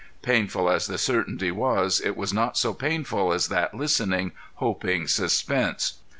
Painful as the certainty was it was not so painful as that listening, hoping suspense.